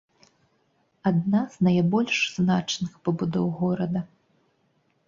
Адна з найбольш значных пабудоў горада.